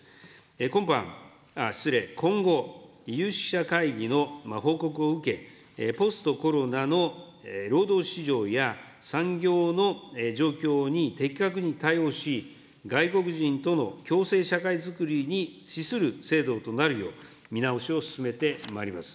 今般、失礼、今後、有識者会議の報告を受け、ポストコロナの労働市場や、産業の状況に的確に対応し、外国人との共生社会づくりにしする制度となるよう、見直しを進めてまいります。